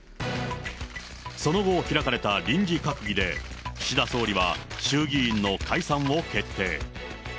その後、開かれた臨時閣議で、岸田総理は衆議院の解散を決定。